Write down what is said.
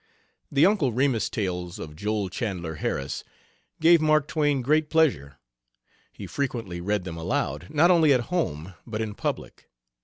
The Uncle Remus tales of Joel Chandler Harris gave Mark Twain great pleasure. He frequently read them aloud, not only at home but in public.